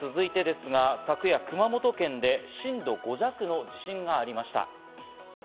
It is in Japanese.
続いて昨夜、熊本県で震度５弱の地震がありました。